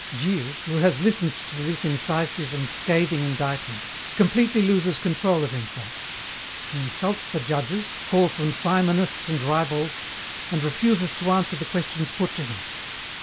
"Gilles, who has listened to this incisive and scathing indictment, completely loses control of himself. He insults the judges, calls them simonists and ribalds, and refuses to answer the questions put to him.